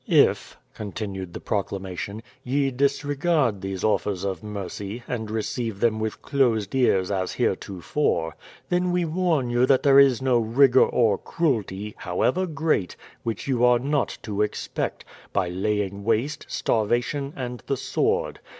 "If," continued the proclamation, "ye disregard these offers of mercy, and receive them with closed ears as heretofore, then we warn you that there is no rigour or cruelty, however great, which you are not to expect, by laying waste, starvation, and the sword.